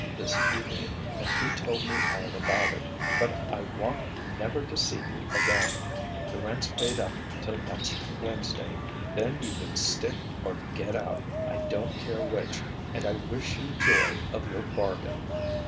this evening and he told me all about it but I want never to see you again the rent's paid up till next Wednesday then you can stick or get out I don't care which and I wish you joy of your bargain!